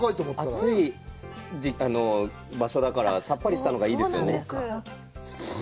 暑い場所だから、さっぱりしたのがいいですよね。